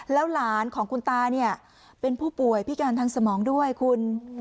แล้วหลานของคุณตาเนี่ยเป็นผู้ป่วยพิการทางสมองด้วยคุณ